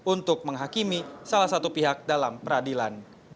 untuk menghakimi salah satu pihak dalam peradilan